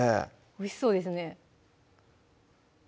おいしそうですね